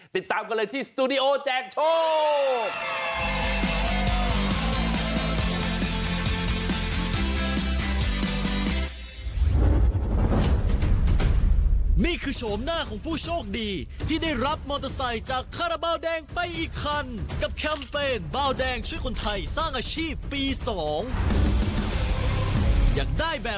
ติดตามกันเลยที่สตูดิโอแจกโชค